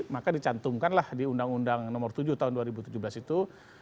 maka dicantumkanlah di undang undang nomor tujuh tahun dua ribu tujuh belas itu